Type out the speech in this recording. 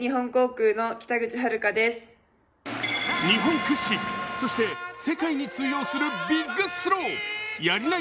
日本屈指、そして世界に通用するビッグスローやり投